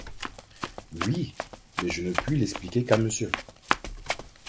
Oui, mais je ne puis l’expliquer qu’à monsieur...